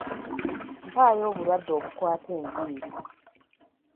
Mpaayo obulwadde obukwata enviiri.